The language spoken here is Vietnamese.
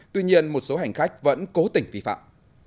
tuy nhiên một số hành khách vẫn cố tình vi phạm